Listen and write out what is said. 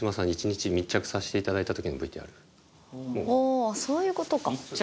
あそういうことか。